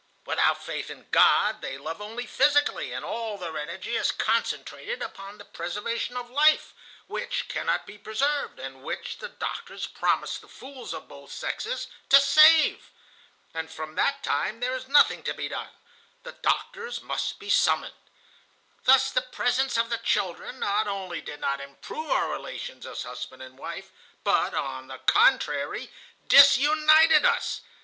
Without faith in God, they love only physically, and all their energy is concentrated upon the preservation of life, which cannot be preserved, and which the doctors promise the fools of both sexes to save. And from that time there is nothing to be done; the doctors must be summoned. "Thus the presence of the children not only did not improve our relations as husband and wife, but, on the contrary, disunited us.